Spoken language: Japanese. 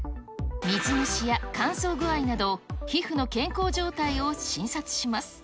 水虫や乾燥具合など、皮膚の健康状態を診察します。